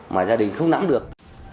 mà gia đình không nắm được